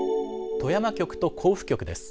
富山局と甲府局です。